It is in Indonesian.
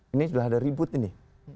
ini sudah ada ribut ini